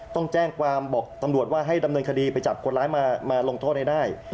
ต้องแจ้งความบอกตำรวจว่าให้ดำเนินคดีไปจับคนร้ายมาลงโทษให้ได้